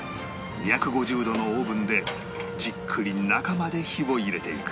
２５０度のオーブンでじっくり中まで火を入れていく